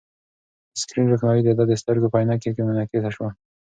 د سکرین روښنايي د ده د سترګو په عینکې کې منعکسه شوه.